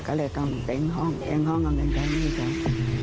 ก็เลยต้องเต็มห้องเอาเงินเต็มหนี้ครับ